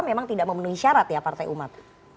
memang tidak memenuhi syarat ya partai umat